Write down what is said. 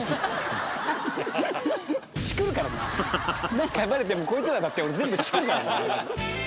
何かバレてもこいつらだって俺全部チクるからな。